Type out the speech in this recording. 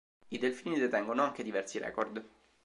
I Delfini detengono anche diversi record.